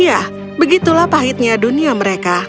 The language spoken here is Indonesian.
iya begitulah pahitnya dunia mereka